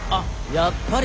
やっぱり？